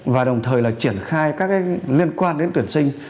và đồng thời là triển khai các cái liên quan đến tuyển sinh